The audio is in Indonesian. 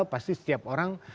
pasti setiap orang